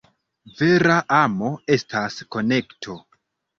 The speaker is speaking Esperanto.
Vera amo estas konekto.